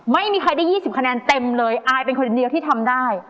ไม่มีใครได้๒๐คะแนนเต็มเลยอายเป็นคนคนเดียวที่ทำได้